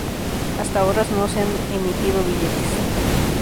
Hasta ahora, no se han emitido billetes.